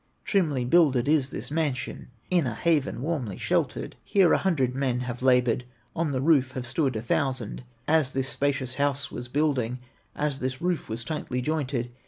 Trimly builded is this mansion, In a haven warmly sheltered; Here a hundred men have labored, On the roof have stood a thousand, As this spacious house was building, As this roof was tightly jointed.